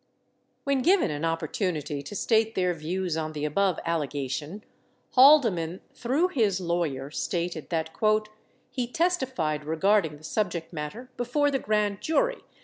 When given an opportunity to state their views on the above allega tion, Haldeman, through his lawyer, stated that, "he testified regard ing the subject matter before the grand jury